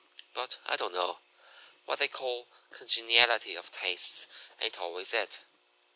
But I don't know! What they call congeniality of tastes ain't always it.